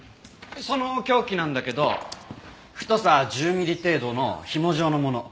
その凶器なんだけど太さ１０ミリ程度のひも状のもの。